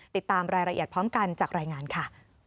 ติดตามรายละเอียดพร้อมกันจากรายงานค่ะ